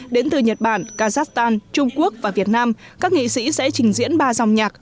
đến từ nhật bản kazakhstan trung quốc và việt nam các nghệ sĩ sẽ trình diễn ba dòng nhạc